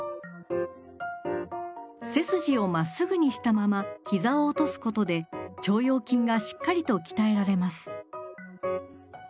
背筋をまっすぐにしたままひざを落とすことで腸腰筋がしっかりと鍛えられます。